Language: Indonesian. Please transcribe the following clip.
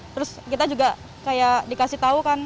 terus kita juga kayak dikasih tahu kan